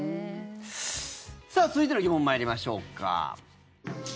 さあ、続いての疑問参りましょうか。